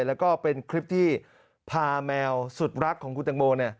แล้วก็เป็นคลิปที่พาแมวสุดรักของคุณตังโม